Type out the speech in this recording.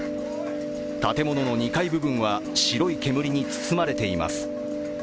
建物の２階部分は白い煙に包まれています。